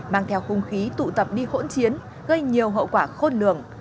mang theo hung khí tụ tập đi hỗn chiến gây nhiều hậu quả khôn lường